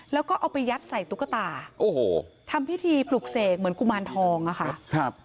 แล้วก็เอาไปยัดใส่ตุ๊กตาทำพิธีปลูกเสกเหมือนกุมารทองค่ะ